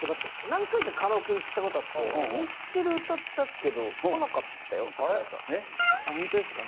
何回かカラオケ行ったことあってミスチル歌ったけど来なかったよ桜井さん。あホントですか？